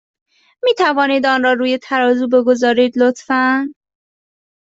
می توانید آن را روی ترازو بگذارید، لطفا؟